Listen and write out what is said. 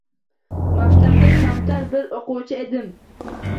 Maktabda kamtar bir oʻquvchi edim.